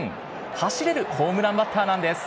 走れるホームランバッターなんです。